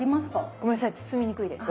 ごめんなさい包みにくいです。